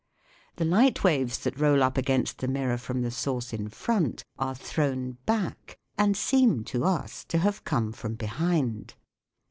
The light waves that roll up against the mirror from the source in front are thrown back and seem to us to have come from behind.